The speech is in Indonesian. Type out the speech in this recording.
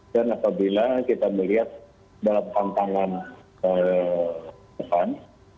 dan apabila kita melihat dalam pantangan depan